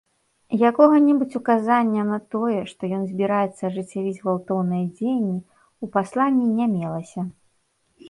Якога-небудзь указанні на тое, што ён збіраецца ажыццявіць гвалтоўныя дзеянні, у пасланні не мелася.